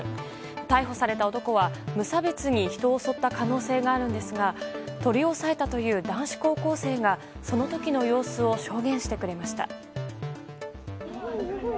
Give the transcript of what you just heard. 逮捕された男は無差別に人を襲った可能性があるんですが取り押さえたという男子高校生がその時の様子を証言してくれました。